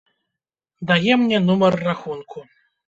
Дае мне нумар рахунку.